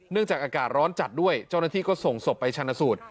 จากอากาศร้อนจัดด้วยเจ้าหน้าที่ก็ส่งศพไปชนะสูตร